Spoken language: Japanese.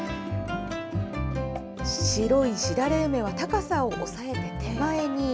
白いしだれ梅は高さを抑えて手前に。